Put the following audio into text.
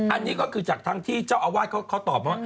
อันนี้ก็คือจากทั้งที่เจ้าอาวาสเขาตอบมาว่า